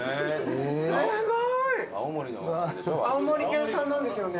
すごい！青森県産なんですよね。